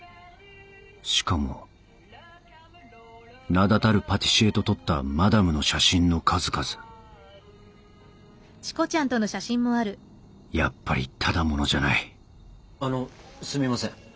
しかも名だたるパティシエと撮ったマダムの写真の数々やっぱりただ者じゃないあのすみません。